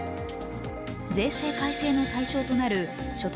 税制改正の対象となる所得